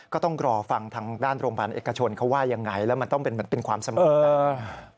ก็ต้องรอฟังทางด้านโรงพยาบาลเอกชนเขาว่ายังไงแล้วมันต้องเป็นความสมมุติ